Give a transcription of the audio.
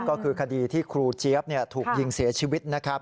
ก็คือคดีที่ครูเจี๊ยบถูกยิงเสียชีวิตนะครับ